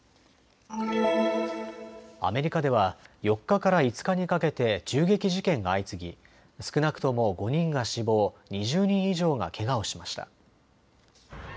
アメリカでは４日から５日にかけて銃撃事件が相次ぎ少なくとも５人が死亡、２０人以上がけがをしました。